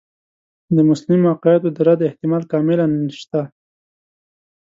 د مسلمو عقایدو د رد احتمال کاملاً شته.